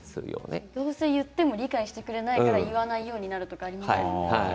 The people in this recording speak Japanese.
どうせ言っても理解してくれないから言わないようになるというのがありますね。